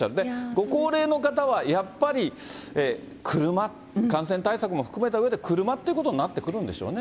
ご高齢の方はやっぱり車、感染対策も含めたうえで、車ということになってくるんでしょうね。